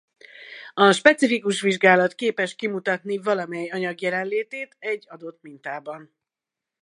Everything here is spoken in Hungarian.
A specifikus vizsgálat képes kimutatni valamely anyag jelenlétét egy adott mintában.